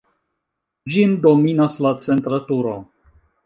Ĝin dominas la centra turo.